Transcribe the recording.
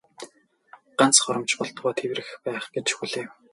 Ганц хором ч болтугай тэврэх байх гэж хүлээв.